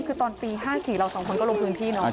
คือตอนปี๕๔เราสองคนก็ลงพื้นที่เนาะ